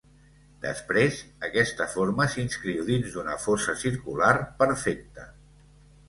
Després, aquesta forma s'inscriu dins d'una fosa circular perfecta.